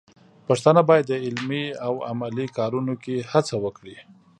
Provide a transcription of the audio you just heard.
پښتانه بايد د علمي او عملي کارونو کې هڅه وکړي.